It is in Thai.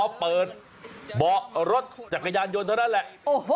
เบาะรถจักรยานยนต์นั่นแหละ